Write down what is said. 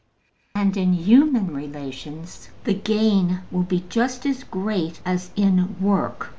And in human relations the gain will be just as great as in work.